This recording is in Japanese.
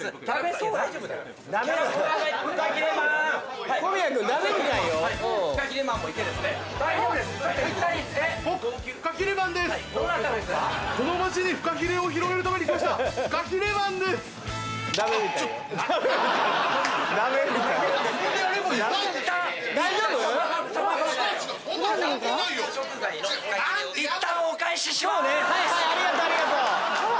そうねはいはいありがとうありがとう。